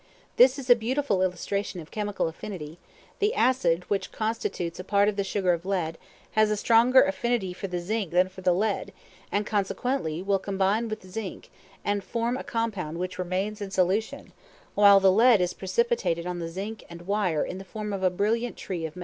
This is a beautiful illustration of chemical affinity; the acid, which constitutes a part of the sugar of lead, has a stronger affinity for the zinc than for the lead, and, consequently, will combine with the zinc, and form a compound which remains in solution, while the lead is precipitated on the zinc and wire in the form of a brilliant tree of metal.